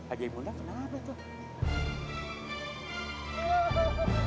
ajaim mula kenapa tuh